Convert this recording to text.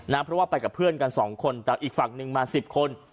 เพราะว่าไปกับเพื่อนกันสองคนแต่อีกฝั่งหนึ่งมา๑๐คน